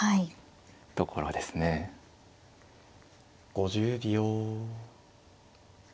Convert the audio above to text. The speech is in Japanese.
５０秒。